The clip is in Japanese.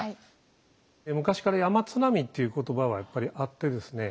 昔から山津波っていう言葉はやっぱりあってですね。